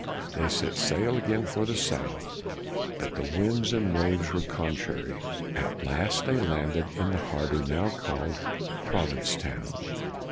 They set sail again for the south, but the winds and waves were contrary. At last they landed in the harbor now called Provincetown.